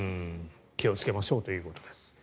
気をつけましょうということです。